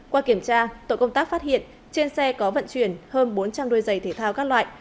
qua kiểm tra tội công tác phát hiện trên xe có vận chuyển hơn bốn trăm linh đôi giày thể thao các loại